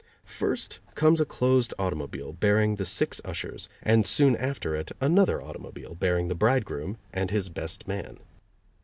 First comes a closed automobile bearing the six ushers and soon after it another automobile bearing the bridegroom and his best man.